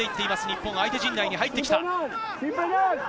日本、相手陣内に入ってきた。